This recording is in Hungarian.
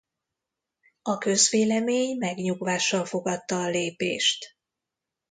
A közvélemény megnyugvással fogadta a lépést.